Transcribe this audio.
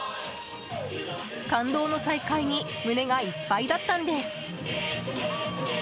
感動の再開に胸がいっぱいだったんです。